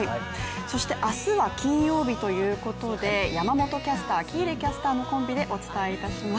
そして明日は金曜日ということで山本キャスター、喜入キャスターのコンビでお伝えします。